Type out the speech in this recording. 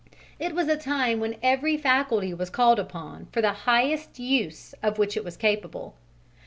It was a time when every faculty was called upon for the highest use of which it was capable.